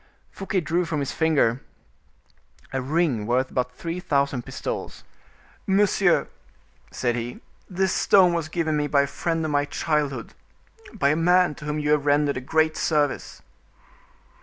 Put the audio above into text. Fouquet drew from his finger a ring worth about three thousand pistoles. "Monsieur," said he, "this stone was given me by a friend of my childhood, by a man to whom you have rendered a great service."